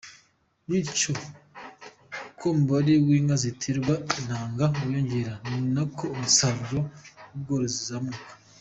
Bityo uko umubare w’inka ziterwa intanga wiyongera ni nako umusaruro mu bworozi uzamuka.